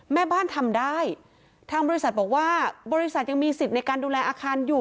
แม่บ้านทำได้ทางบริษัทบอกว่าบริษัทยังมีสิทธิ์ในการดูแลอาคารอยู่